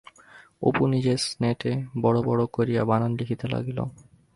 অপু নিজের স্নেটে বড় বড় করিয়া বানান লিখিতে লাগিল।